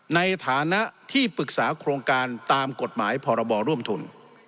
ในฐานะที่ปรึกษาโครงการตามกฎหมายพรบร่วมทุน